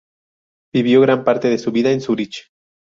Vivió gran parte de su vida en Zúrich.